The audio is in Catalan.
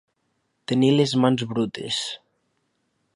Tenir les mans brutes.